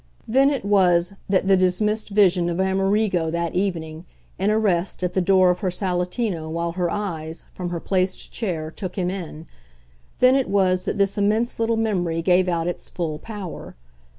Then it was that the dismissed vision of Amerigo, that evening, in arrest at the door of her salottino while her eyes, from her placed chair, took him in then it was that this immense little memory gave out its full power.